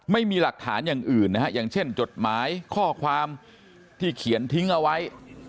ไม่มีหลักฐานอย่างอื่นนะฮะอย่างเช่นจดหมายข้อความที่เขียนทิ้งเอาไว้